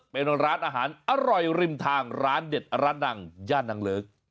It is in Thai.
เป็นร้านอาหารอร่อยริมทางร้านเด็ดร้านดังย่านนางเลิก